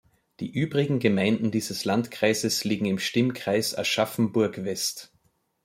Die übrigen Gemeinden dieses Landkreises liegen im Stimmkreis Aschaffenburg-West.